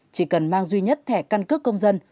chỉ cần mang duy nhất thẻ căn cước công dân